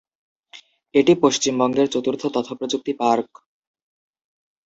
এটি পশ্চিমবঙ্গের চতুর্থ তথ্যপ্রযুক্তি পার্ক।